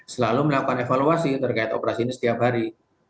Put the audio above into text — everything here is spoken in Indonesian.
selalu melakukan evaluasi terkait operasi ini setiap hari